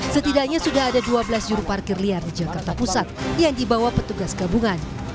setidaknya sudah ada dua belas juru parkir liar di jakarta pusat yang dibawa petugas gabungan